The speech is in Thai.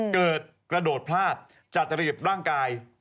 กระโดดพลาดจัดระเบียบร่างกาย